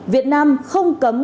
việt nam không cấm